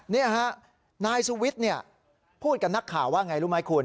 นี่ฮะนายสุวิทย์เนี่ยพูดกับนักข่าวว่าอย่างไรรู้ไหมคุณ